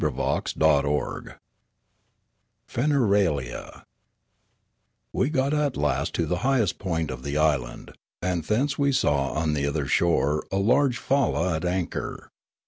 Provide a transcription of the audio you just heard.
CHAPTER XXVII FEXERALIA WE got at last to the highest point of the island, and thence we saw on the other shore a large falla at anchor.